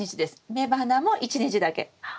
雌花も１日だけ。